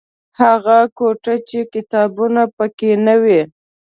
هغه کوټه چې کتابونه پکې نه وي.